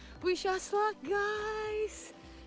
semoga berjaya guys